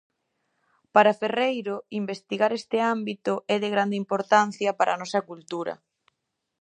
Para Ferreiro, investigar este ámbito é de grande importancia para a nosa cultura.